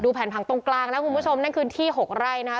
แผนผังตรงกลางนะคุณผู้ชมนั่นคือที่๖ไร่นะคะ